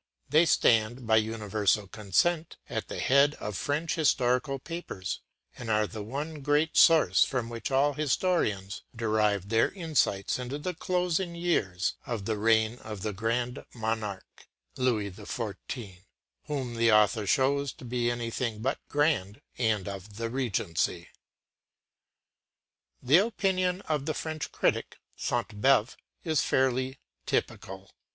They stand, by universal consent, at the head of French historical papers, and are the one great source from which all historians derive their insight into the closing years of the reign of the “Grand Monarch,” Louis XIV: whom the author shows to be anything but grand and of the Regency. The opinion of the French critic, Sainte Beuve, is fairly typical.